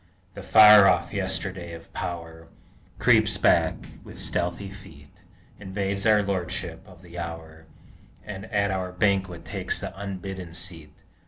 The far off Yesterday of power Creeps back with stealthy feet, Invades the lordship of the hour, And at our banquet takes the unbidden seat.